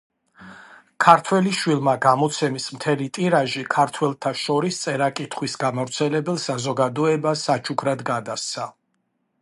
ქართველიშვილმა გამოცემის მთელი ტირაჟი ქართველთა შორის წერა-კითხვის გამავრცელებელ საზოგადოებას საჩუქრად გადასცა.